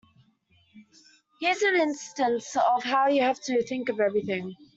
Here's an instance of how you have to think of everything.